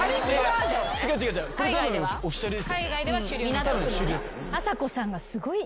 港区のね。